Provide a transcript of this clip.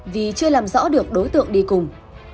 vì chưa làm rõ được đối tượng đi cùng